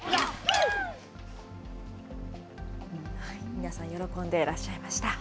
皆さん喜んでいらっしゃいました。